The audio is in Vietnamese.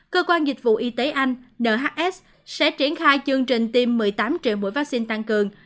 cơ quan dịch vụ y tế anh nhs sẽ triển khai chương trình tiêm một mươi tám triệu mũi vaccine tăng cường